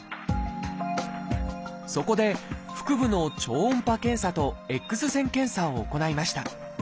そこで腹部の超音波検査とＸ線検査を行いました。